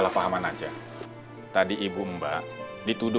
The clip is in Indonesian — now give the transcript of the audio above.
saya sudah berada di rumah mbak ayesa